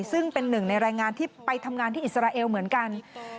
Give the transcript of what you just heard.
ซึ่งเป็นหนึ่งในแรงงานที่ไปทำงานที่อิสราเอลเหมือนกัน